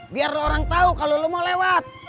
biar orang tau kalau lo mau lewat